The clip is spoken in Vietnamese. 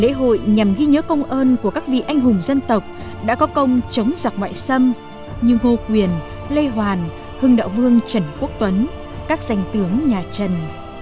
lễ hội nhằm ghi nhớ công ơn của các vị anh hùng dân tộc đã có công chống giặc ngoại xâm như ngô quyền lê hoàn hưng đạo vương trần quốc tuấn các danh tướng nhà trần